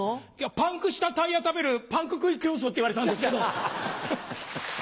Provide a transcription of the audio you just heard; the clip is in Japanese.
パンクしたタイヤ食べるパンク食い競争って言われたんですけど。